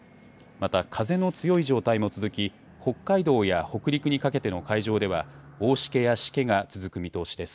また、風の強い状態も続き、北海道や北陸にかけての海上では大しけやしけが続く見通しです。